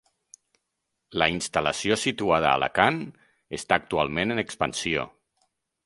La instal·lació situada a Alacant està actualment en expansió.